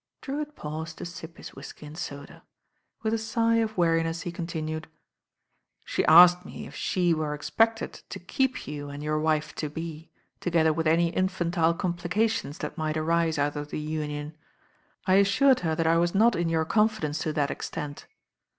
Drewitt paused to sip his whisky and soda. With a sigh of weariness he continued : "She asked me if .he were expected to keep you and your wife to4>e, together with any infantile com plications tl^at might arise out of the union. I assured her that I was not in your confidence to that extent.